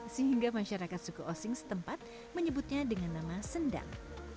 sehingga masyarakat suku osing setempat menyebutnya dengan nama sendang